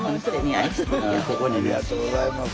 ありがとうございます。